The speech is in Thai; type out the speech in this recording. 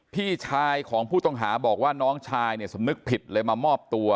พี่ชายของผู้ต้องหาบอกว่าน้องชายเนี่ยสำนึกผิดเลยมามอบตัว